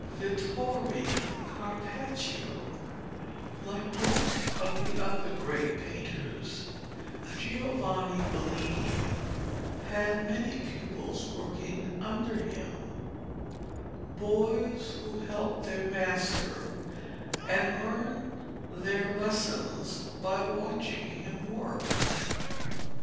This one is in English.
VITTORE CARPACCIO Like most of the other great painters, Giovanni Bellini had many pupils working under him boys who helped their master, and learned their lessons by watching him work.